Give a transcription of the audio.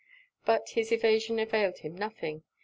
But his evasion availed him nothing.